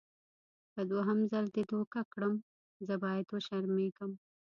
که دوهم ځل دې دوکه کړم زه باید وشرمېږم.